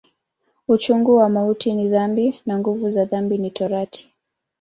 Uchungu wa mauti ni dhambi, na nguvu za dhambi ni Torati.